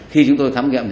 khi chúng tôi thám nghiệm